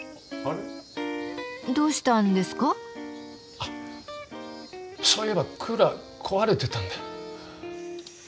あっそういえばクーラー壊れてたんだ。